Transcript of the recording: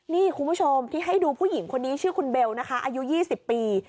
นี่คุณผู้ชมที่ให้ดูผู้หญิงคนนี้ชื่อคุณเบลนะคะอายุ๒๐ปี